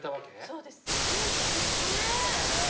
そうですすごいですよね。